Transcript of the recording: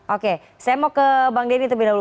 oke saya mau ke bang deddy terlebih dahulu